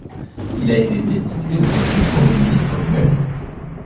Il a été destitué de ses fonctions de ministre le même jour.